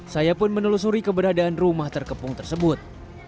saya pun menelusuri keberadaan rumah terkepung tersebut